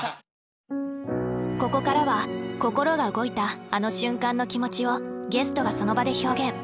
ここからは心が動いたあの瞬間の気持ちをゲストがその場で表現。